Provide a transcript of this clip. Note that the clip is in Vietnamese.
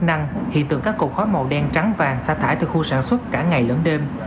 chức năng hiện tượng các cột khói màu đen trắng vàng xa thải từ khu sản xuất cả ngày lẫn đêm